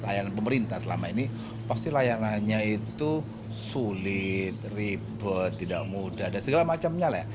layanan pemerintah selama ini pasti layanannya itu sulit ribet tidak mudah dan segala macamnya lah